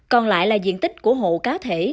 còn lại là diện tích của hộ cá thể